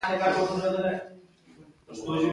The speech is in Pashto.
وری د پسرلي لومړۍ میاشت ده او هوا پکې معتدله وي.